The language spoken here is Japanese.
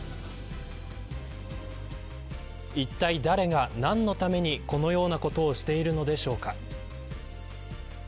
いったい誰が何のためにこのようなことをしているのでしょうか。